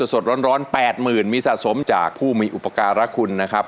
สดร้อนแปดหมื่นมีสะสมจากผู้มีอุปการคุณนะครับ